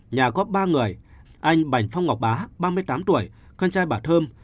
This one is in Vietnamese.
nhà có ba người anh bành phong ngọc bá ba mươi tám tuổi con trai bà thơm